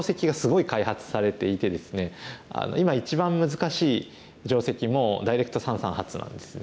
今一番難しい定石もダイレクト三々発なんですね。